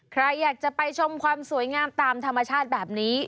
ใครอยากจะไปชมความสวยงามตามธรรมชาติแบบนี้